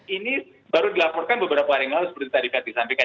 ini baru dilaporkan beberapa hari lalu seperti tadi tadi disampaikan